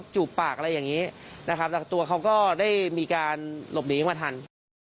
จูบปากอะไรแบบนี้ตัวเขาก็ได้มีการหลบหนีขึ้นมาทัน